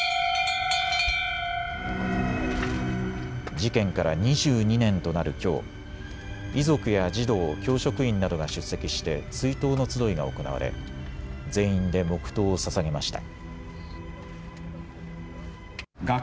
事件から２２年となるきょう、遺族や児童、教職員などが出席して追悼の集いが行われ全員で黙とうをささげました。